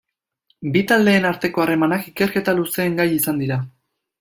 Bi taldeen arteko harremanak ikerketa luzeen gai izan dira.